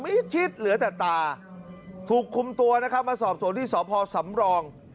ชิดเหลือแต่ตาถูกคุมตัวนะครับมาสอบสวนที่สพสำรอง